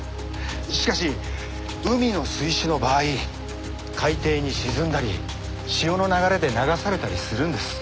しかし海の水死の場合海底に沈んだり潮の流れで流されたりするんです。